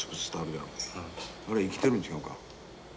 あれ生きてるん違うか？